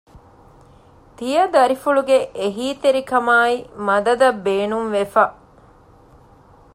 ތިޔަދަރިފުޅުގެ އެހީތެރިކަމާއި މަދަދަށް ބޭނުންވެފަ